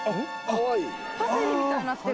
パセリみたいになってる。